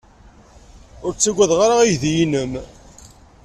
Ur ttaggadeɣ ara aydi-nnem.